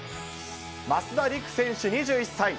増田陸選手２１歳。